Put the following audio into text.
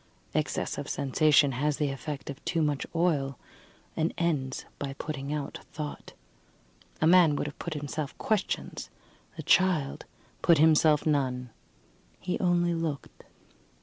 Excess of sensation has the effect of too much oil, and ends by putting out thought. A man would have put himself questions; the child put himself none he only looked.